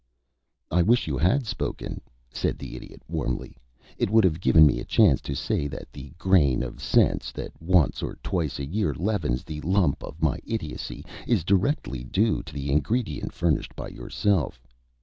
"I wish you had spoken," said the Idiot, warmly. "It would have given me a chance to say that the grain of sense that once or twice a year leavens the lump of my idiocy is directly due to the ingredient furnished by yourself.